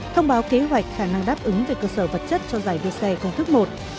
thông báo kế hoạch khả năng đáp ứng về cơ sở vật chất cho giải đua xe công thức một